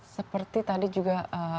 seperti tadi juga